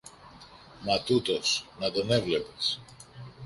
Μα τούτος! Να τον έβλεπες!